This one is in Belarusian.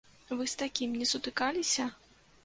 Вы з такім не сутыкаліся?